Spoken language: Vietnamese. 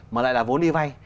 mà lại là vốn đi vay